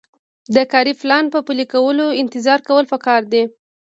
د کاري پلان په پلي کولو نظارت کول پکار دي.